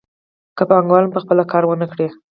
که پانګوال هم په خپله کار ونه کړي